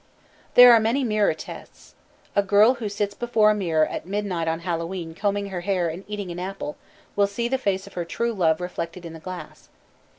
_ There are many mirror tests. A girl who sits before a mirror at midnight on Hallowe'en combing her hair and eating an apple will see the face of her true love reflected in the glass.